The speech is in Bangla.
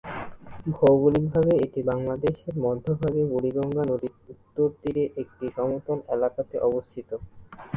ভৌগোলিকভাবে এটি বাংলাদেশের মধ্যভাগে বুড়িগঙ্গা নদীর উত্তর তীরে একটি সমতল এলাকাতে অবস্থিত।